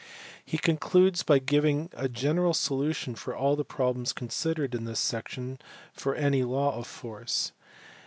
He concludes by giving a general solution for all the problems considered in this section for any law of force.